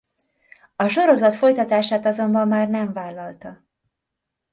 A sorozat folytatását azonban már nem vállalta.